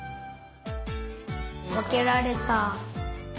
わけられた。